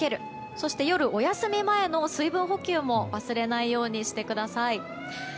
そして夜お休み前の水分補給も忘れないようにしてください。